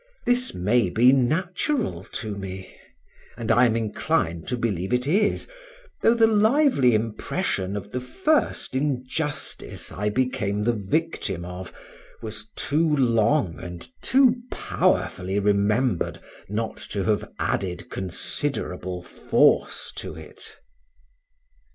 This may be natural to me, and I am inclined to believe it is, though the lively impression of the first injustice I became the victim of was too long and too powerfully remembered not to have added considerable force to it.